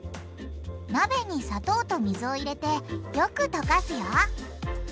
鍋に砂糖と水を入れてよく溶かすよ。